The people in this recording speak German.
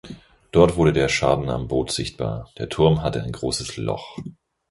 Dort wurde der Schaden am Boot sichtbar: Der Turm hatte ein großes Loch.